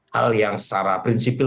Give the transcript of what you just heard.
hal yang secara prinsipil